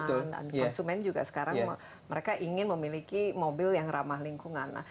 konsumen juga sekarang mereka ingin memiliki mobil yang ramah lingkungan